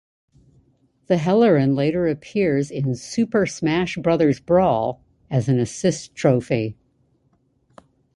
The Helirin later appears in "Super Smash Brothers Brawl" as an Assist Trophy.